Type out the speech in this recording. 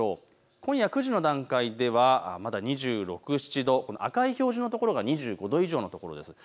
今夜９時の段階ではまだ２６、２７度、赤い表示の所が２５度以上の所です。